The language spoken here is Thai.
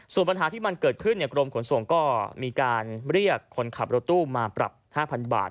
ส่วนปัญหาที่มันเกิดขึ้นกรมขนส่งก็มีการเรียกคนขับรถตู้มาปรับ๕๐๐บาท